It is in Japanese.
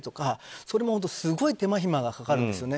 それもすごい手間暇がかかるんですね。